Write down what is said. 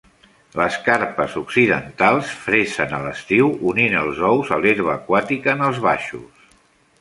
Les carpes occidentals fresen a l'estiu, unint els ous a l'herba aquàtica en els baixos.